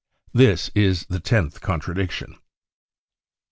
f This is the tenth contradiction.